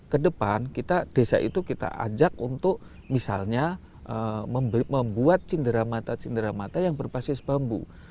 kedepan kita desa itu kita ajak untuk misalnya membuat cindera mata cindera mata yang berbasis bambu